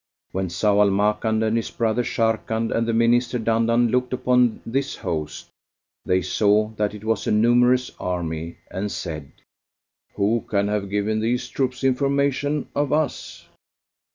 When Zau al Makan and his brother Sharrkan and the Minister Dandan looked upon this host, they saw that it was a numerous army and said, "Who can have given these troops information of us?"